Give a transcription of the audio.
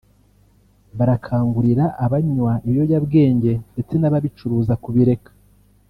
barakangurira abanywa ibiyobyabwenge ndetse n’ababicuruza kubireka